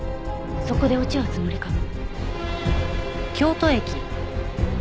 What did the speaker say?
そこで落ち合うつもりかも。